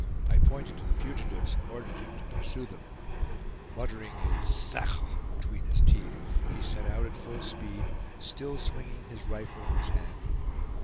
I pointed to the fugitives, and ordered him to pursue them. Muttering a "Sacre!" between his teeth, he set out at full speed, still swinging his rifle in his hand.